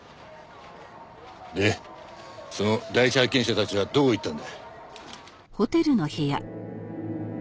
でその第一発見者たちはどこ行ったんだ？